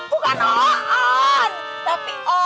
bukan oon tapi oom